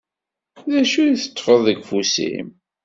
D acu i teṭṭfeḍ deg ufus-im?